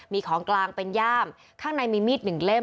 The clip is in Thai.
มีของกลางเป็นย่ามข้างในมีมีดหนึ่งเล่ม